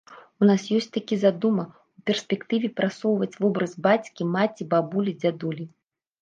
У нас ёсць-такі задума, у перспектыве прасоўваць вобраз бацькі, маці, бабулі, дзядулі.